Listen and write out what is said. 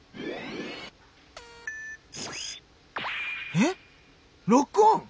えっロックオン！